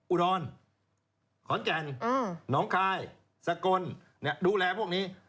อุดรขอนแก่นน้องคายสกลดูแลพวกนี้